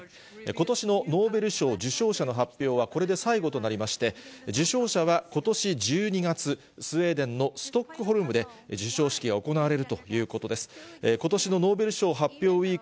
ことしのノーベル賞受賞者の発表はこれで最後となりまして、受賞者はことし１２月、スウェーデンのストックホルムで、授賞式が行われるということです。